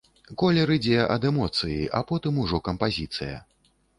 Колер ідзе ад эмоцыі, а потым ужо кампазіцыя.